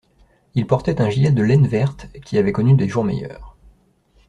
Il portait un gilet de laine verte, qui avait connu des jours meilleurs